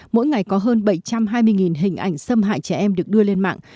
mỗi ngày có hơn bảy trăm hai mươi hình ảnh xâm hại trẻ em được đưa lên mạng